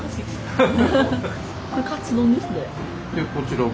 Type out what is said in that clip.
こちらが。